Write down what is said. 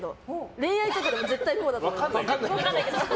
恋愛とかでも絶対こうだと思います。